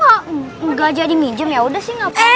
jadi kamu gak jadi mijem yaudah sih ngapain